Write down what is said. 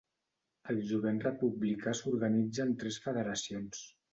El Jovent Republicà s'organitza en tres federacions: